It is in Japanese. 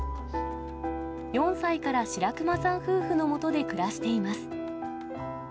４歳から白熊さん夫婦のもとで暮らしています。